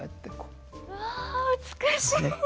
うわ美しい。